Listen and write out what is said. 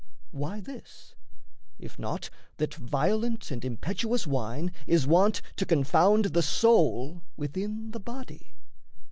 Why this? If not that violent and impetuous wine Is wont to confound the soul within the body?